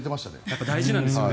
やっぱり大事なんですね。